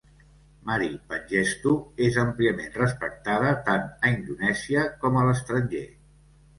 Mari Pangestu és àmpliament respectada tant a Indonèsia com a l'estranger.